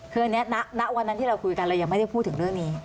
คืออันนี้ณวันนั้นที่เราคุยกันเรายังไม่ได้พูดถึงเรื่องนี้